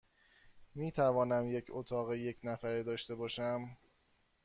می توانم یک اتاق یک نفره داشته باشم؟